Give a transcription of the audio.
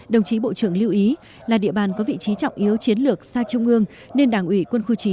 đồng chí bộ trưởng lưu ý là địa bàn có vị trí trọng yếu chiến lược xa trung ương nên đảng ủy quân khu chín